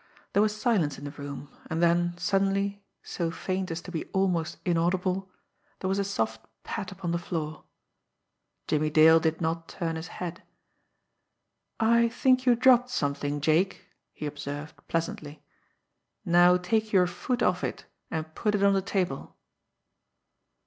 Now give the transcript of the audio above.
There was silence in the room and then suddenly, so faint as to be almost inaudible, there was a soft pat upon the floor. Jimmie Dale did not turn his head. "I think you dropped something, Jake," he observed pleasantly. "Now take your foot off it, and put it on the table!"